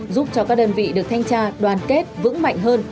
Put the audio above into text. giúp cho các đơn vị được thanh tra đoàn kết vững mạnh hơn